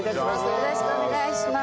よろしくお願いします。